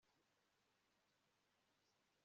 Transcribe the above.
iradiyo itangaza ikimenyetso gikomeye cyane